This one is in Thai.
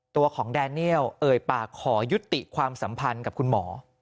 ตัวของแดเนียลเอ่ยปากขอยุติความสัมพันธ์กับคุณหมอ